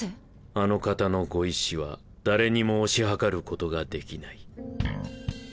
あの方のご意志は誰にも推し量ることができない。